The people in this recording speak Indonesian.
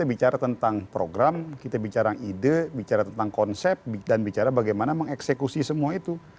kita bicara tentang program kita bicara ide bicara tentang konsep dan bicara bagaimana mengeksekusi semua itu